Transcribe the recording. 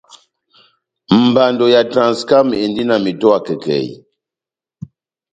Mbando ya Transcam endi na metowa kɛkɛhi.